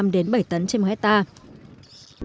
đến bảy tấn trên một hectare